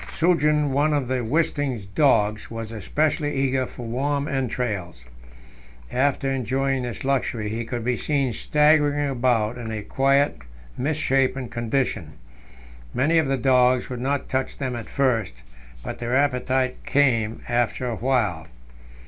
Suggen, one of Wisting's dogs, was especially eager for warm entrails; after enjoying this luxury, he could be seen staggering about in a quite misshapen condition. Many of the dogs would not touch them at first, but their appetite came after a while.